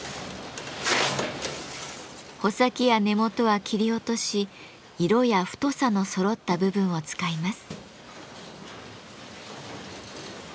穂先や根元は切り落とし色や太さのそろった部分を使います。